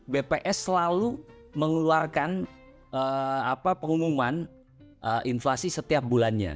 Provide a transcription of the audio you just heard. bps selalu mengeluarkan pengumuman inflasi setiap bulannya